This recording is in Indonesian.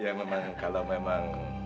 ya memang kalau memang